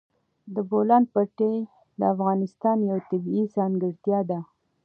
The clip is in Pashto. د بولان پټي د افغانستان یوه طبیعي ځانګړتیا ده.